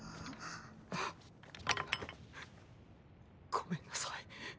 ごめんなさい。